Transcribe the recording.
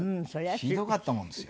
ひどかったもんですよ。